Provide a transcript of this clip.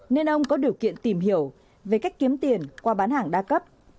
nên ông có điều kiện tìm hiểu về cách kiếm tiền qua bán hàng đa cấp